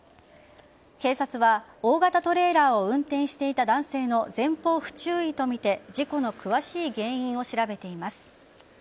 警察は大型トレーラーを運転していた男性の前方不注意とみて事故の詳しい原因を調べています。